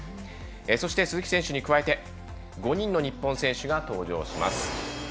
そして、鈴木選手に加えて５人の日本選手が登場します。